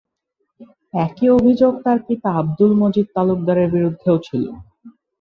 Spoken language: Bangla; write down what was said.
একই অভিযোগ তার পিতা আব্দুল মজিদ তালুকদারের বিরুদ্ধেও ছিল।